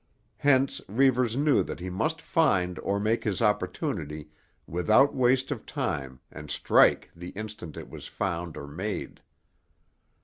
Hence, Reivers knew that he must find or make his opportunity without waste of time and strike the instant it was found or made.